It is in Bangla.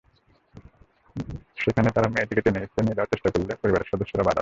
সেখানে তাঁরা মেয়েটিকে টেনেহিঁচড়ে নিয়ে যাওয়ার চেষ্টা করলে পরিবারের সদস্যরা বাধা দেয়।